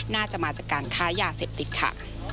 น่าจะมาจากการค้ายาเสพติดค่ะ